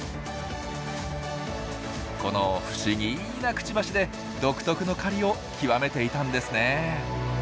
この不思議なクチバシで独特の狩りを極めていたんですね。